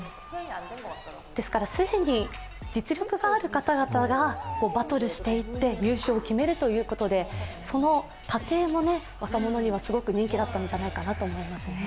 ですから既に実力がある方々がバトルしていって優勝を決めるということで、その過程も若者にはすごく人気だったのじゃないかなと思いますね。